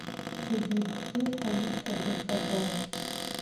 Зегьы еиԥшхеит ҳәа ишәҳәо сызхаҵом.